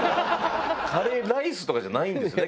カレーライスとかじゃないんですね